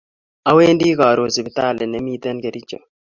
Awendi karun sitipali ne miten Kericho